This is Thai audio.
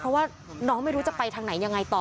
เพราะว่าน้องไม่รู้จะไปทางไหนยังไงต่อ